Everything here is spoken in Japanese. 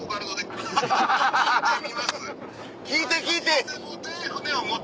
聞いて聞いて！